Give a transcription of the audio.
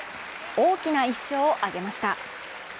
大きな１勝を挙げました。